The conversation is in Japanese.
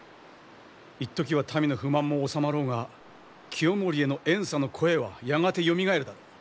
一時は民の不満も収まろうが清盛への怨嗟の声はやがてよみがえるだろう。